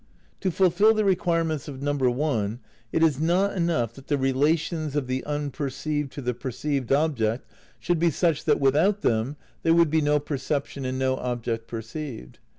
To fulfil the requirements of (1) it is not enough that the relations of the unperceived to the perceived object should be such that without them there would be no perception and no object perceived.